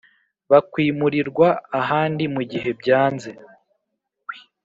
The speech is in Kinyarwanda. bakwimurirwa ahandi mu gihe byanze.